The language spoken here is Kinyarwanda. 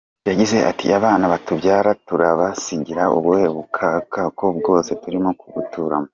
Yagize ati, "Abana tubyara turabasigira ubuhe butaka ko bwose turimo kubuturamo.